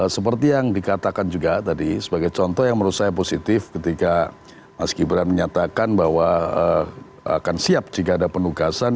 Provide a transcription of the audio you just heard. seperti yang dikatakan juga tadi sebagai contoh yang menurut saya positif ketika mas gibran menyatakan bahwa akan siap jika ada penugasan